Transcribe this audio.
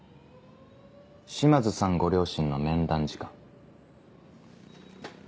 島津さんご両親の面談時間。